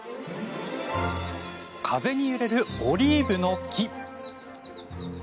風に揺れるオリーブの木。